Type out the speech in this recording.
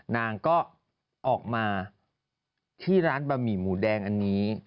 นางก็ออกมาที่ร้านบะหมี่หมูแดงอันนี้